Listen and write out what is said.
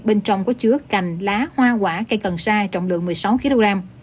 bên trong có chứa cành lá hoa quả cây cần sa trọng lượng một mươi sáu kg